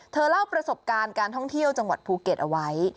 เล่าประสบการณ์การท่องเที่ยวจังหวัดภูเก็ตเอาไว้